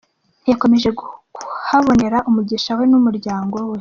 Yakomeje kuhabonera umugisha we n’umuryango we.